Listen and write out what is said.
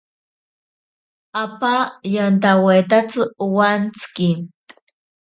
Apa yantawaitsi owantsiki.